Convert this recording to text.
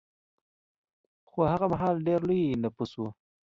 خو هغه مهال ډېر لوی نفوس و